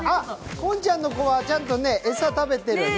近ちゃんの子はちゃんと餌食べてるね。